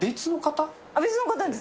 別の方です。